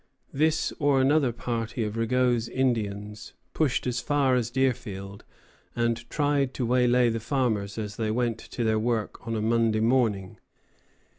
] This or another party of Rigaud's Indians pushed as far as Deerfield and tried to waylay the farmers as they went to their work on a Monday morning.